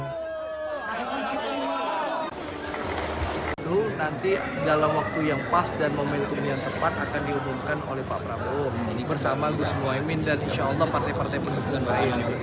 itu nanti dalam waktu yang pas dan momentum yang tepat akan diumumkan oleh pak prabowo bersama gus muhaymin dan insya allah partai partai pendukung lain